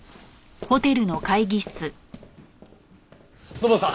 土門さん！